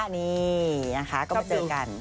นี่นะคะก็มาเจอกัน